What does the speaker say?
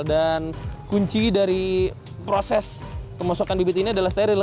dan kunci dari proses pemasukan bibit ini adalah steril